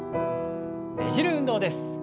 ねじる運動です。